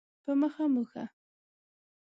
په مخه مو ښه